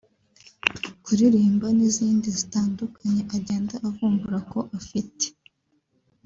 kuririmba n’izindi zitandukanye agenda avumbura ko afite